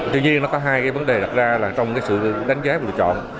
tuy nhiên nó có hai vấn đề đặt ra trong sự đánh giá và lựa chọn